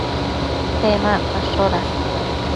Pemacpashoda